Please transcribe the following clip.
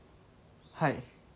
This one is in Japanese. はい。